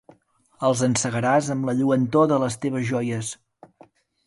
Els encegaràs amb la lluentor de les teves joies.